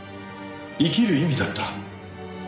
生きる意味だった。